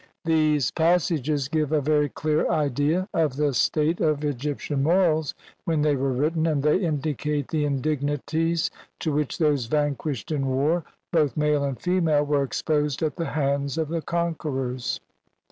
These passages give a very clear idea of the state of Egyptian morals when they were written, and they indicate the indignities to which those vanquished in war, both male and female, were exposed at the hands of the conquerors.